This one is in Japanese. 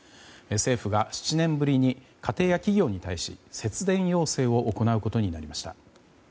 政府が７年ぶりに家庭や企業に対し節電要請を行うことになりました。